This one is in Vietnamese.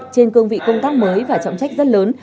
trên cương vị công tác mới và trọng trách rất lớn